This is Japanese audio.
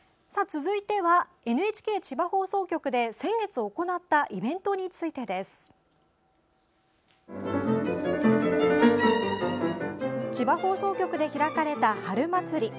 続いては、ＮＨＫ 千葉放送局で先月行ったイベントについてです。千葉放送局で開かれた春まつり。